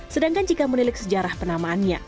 sedangkan jika menilik sejarah penamaannya